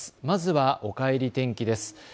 まずは、おかえり天気です。